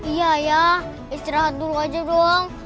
iya ya istirahat dulu aja doang